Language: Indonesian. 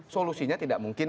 solusinya tidak mungkin